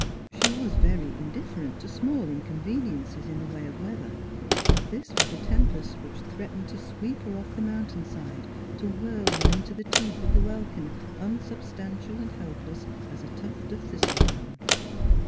She was very indifferent to small inconreniences in the way of weather, but this was a tempest which threatened to sweep her off the mountain side, to whirl her into the teeth of the welkin, unsubstantial and helpless as a tuft of thistledown.